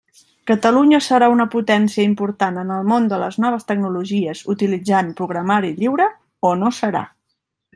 Catalunya serà una potència important en el món de les noves tecnologies utilitzant programari lliure o no serà.